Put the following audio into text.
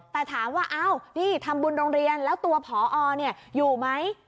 แต่ถามว่าอ้าวนี่ทำบุญโรงเรียนแล้วตัวผออยู่ไหม